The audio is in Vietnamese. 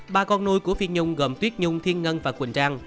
ba con nuôi của phiên nhung gồm tuyết nhung thiên ngân và quỳnh trang